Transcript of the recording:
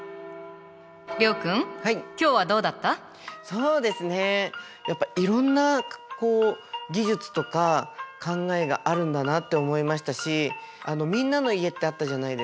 そうですねやっぱいろんなこう技術とか考えがあるんだなって思いましたしみんなの家ってあったじゃないですか。